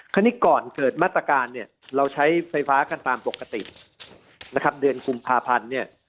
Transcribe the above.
คราวนี้ก่อนเกิดมาตรการเนี่ยเราใช้ไฟฟ้ากันตามปกตินะครับเดือนกุมภาพันธ์เนี่ย